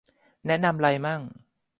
แนะนำไรมั่ง